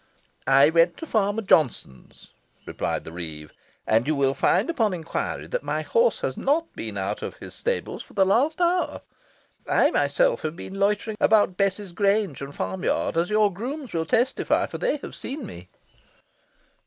"I went to Farmer Johnson's," replied the reeve, "and you will find upon inquiry that my horse has not been out of his stables for the last hour. I myself have been loitering about Bess's grange and farmyard, as your grooms will testify, for they have seen me."